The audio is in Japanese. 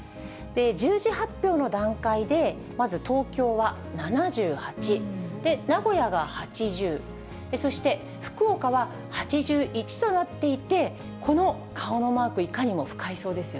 １０時発表の段階で、まず東京は７８、名古屋が８０、そして福岡は８１となっていて、この顔のマーク、確かに。